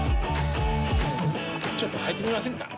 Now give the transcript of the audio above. ちょっと入ってみませんか？